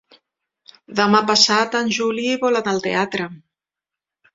Demà passat en Juli vol anar al teatre.